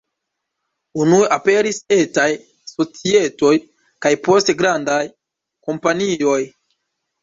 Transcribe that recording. Unue aperis etaj societoj, kaj poste grandaj kompanioj.